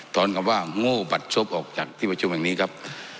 ถอนคำว่าโง่บัตรชบออกจากที่ประชุมแห่งนี้ครับ